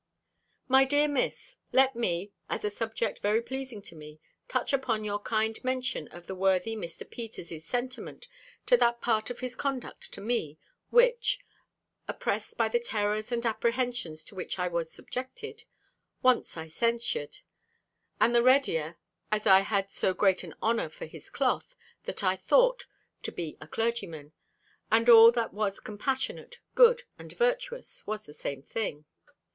My dear Miss, let me, as a subject very pleasing to me, touch upon your kind mention of the worthy Mr. Peters's sentiments to that part of his conduct to me, which (oppressed by the terrors and apprehensions to which I was subjected) once I censured; and the readier, as I had so great an honour for his cloth, that I thought, to be a clergyman, and all that was compassionate, good, and virtuous, was the same thing.